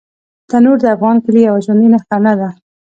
تنور د افغان کلي یوه ژوندي نښانه ده